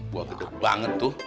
gua gede banget tuh